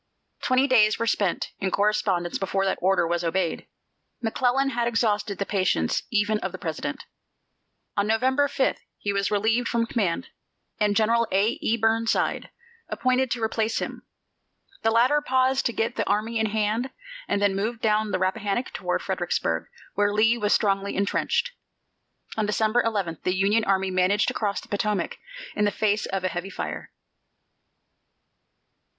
Twenty days were spent in correspondence before that order was obeyed. McClellan had exhausted the patience even of the President. On November 5 he was relieved from command, and General A. E. Burnside appointed to replace him. The latter paused to get the army in hand and then moved down the Rappahannock toward Fredericksburg, where Lee was strongly intrenched. On December 11 the Union army managed to cross the Potomac in the face of a heavy fire.